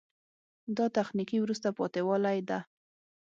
دا تخنیکي وروسته پاتې والی ده.